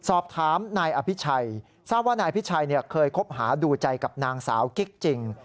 สอบถามนายอภิชัยทราบว่านายพิชัยเคยคบหาดูใจกับนางสาวกิ๊กจริง